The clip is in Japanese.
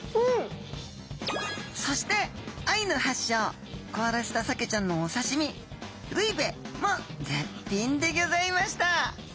そしてアイヌはっしょうこおらせたサケちゃんのおさしみルイペも絶品でギョざいました！